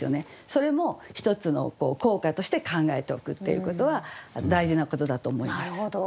それも一つの効果として考えておくっていうことは大事なことだと思います。